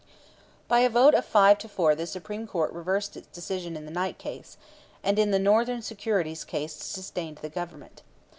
By a vote of five to four the Supreme Court reversed its decision in the Knight case, and in the Northern Securities case sustained the Government.